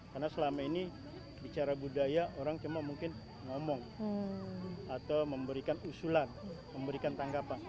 karena selama ini bicara budaya orang cuma mungkin ngomong atau memberikan usulan memberikan tanggapan